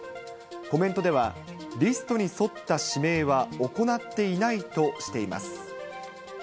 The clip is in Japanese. コメントでは、リストに沿った指名は行っていないとしています。